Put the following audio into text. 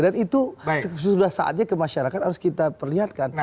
dan itu sudah saatnya ke masyarakat harus kita perlihatkan